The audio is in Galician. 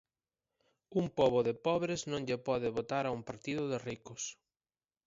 Un pobo de pobres non lle pode votar a un partido de ricos.